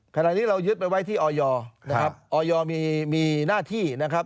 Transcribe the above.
ขณะนี้เรายึดไปไว้ที่ออยนะครับออยมีหน้าที่นะครับ